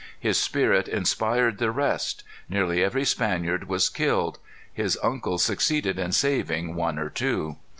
His spirit inspired the rest. Nearly every Spaniard was killed. His uncle succeeded in saving one or two.